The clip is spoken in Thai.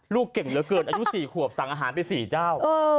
ลูกเก่งเหลือเกินอายุ๔ขวบสั่งอาหารไป๔เจ้า